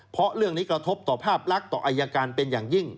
เพราะเรื่องนี้กระทบต่อภาพลักษณ์ต่ออายการเป็นอย่างยิ่ง